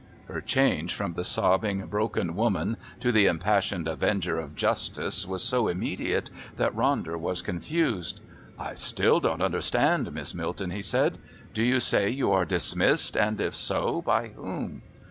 Her change from the sobbing, broken woman to the impassioned avenger of justice was so immediate that Ronder was confused. "I still don't understand, Miss Milton," he said. "Do you say you are dismissed, and, if so, by whom?"